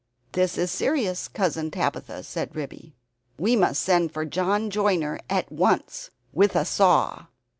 "This is serious, Cousin Tabitha," said Ribby. "We must send for John Joiner at once, with a saw."